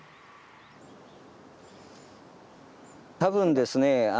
多分ですね